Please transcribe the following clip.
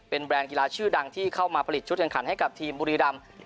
เป็นแบรนด์กีฬาชื่อดังที่เข้ามาผลิตชุดแข่งขันให้กับทีมบุรีรำ